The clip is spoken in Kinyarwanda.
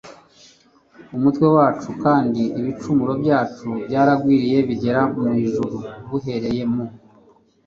umutwe wacu kandi ibicumuro byacu byaragwiriye bigera mu ijuru b Uhereye mu